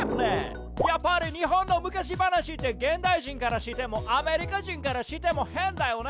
やっぱり日本の昔話って現代人からしてもアメリカ人からしても変だよね！